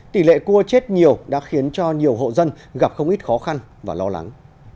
tỷ lệ cua chết nhiều đã khiến cho nhiều hộ dân gặp không ít khó khăn và lo lắng